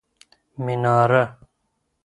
مناره